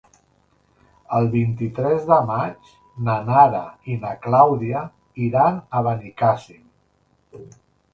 El vint-i-tres de maig na Nara i na Clàudia iran a Benicàssim.